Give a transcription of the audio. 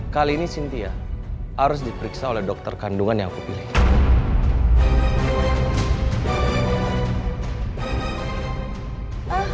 kali ini cynthia harus diperiksa oleh dokter kandungan yang aku pilih